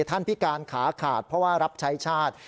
พิการขาขาดเพราะว่ารับใช้ชาติ